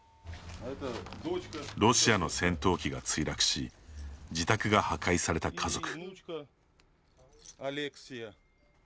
ロシアの戦闘機が墜落し自宅が破壊された家族。